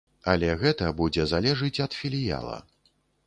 Але гэта будзе залежыць ад філіяла.